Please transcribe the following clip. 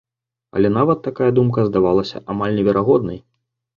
Але нават такая думка здавалася амаль неверагоднай.